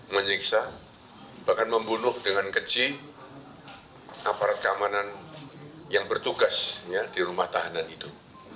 menyiksa bahkan membunuh dengan keji aparat keamanan yang bertugas di rumah tahanan itu